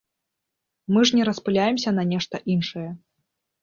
Мы ж не распыляемся на нешта іншае.